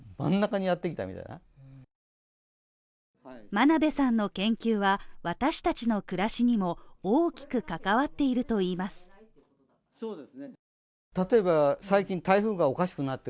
真鍋さんの研究は私たちの暮らしにも大きく関わっているといいます。